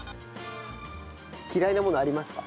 嫌いなものありますか？